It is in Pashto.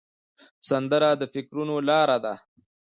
سندره د فکرونو لاره ده